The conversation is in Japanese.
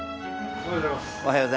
おはようございます。